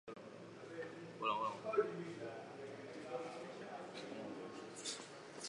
However, Lonergan did not regard this label as particularly helpful for understanding his intentions.